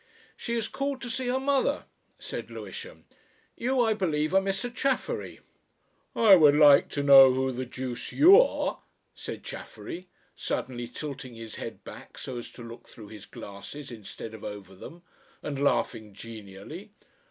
"She has called to see her mother," said Lewisham. "You, I believe, are Mr. Chaffery?" "I would like to know who the Deuce you are?" said Chaffery, suddenly tilting his head back so as to look through his glasses instead of over them, and laughing genially.